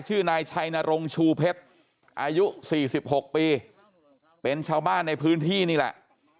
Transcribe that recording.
ชื่อนายชัยนรงชูเพชรอายุ๔๖ปีเป็นชาวบ้านในพื้นที่นี่แหละ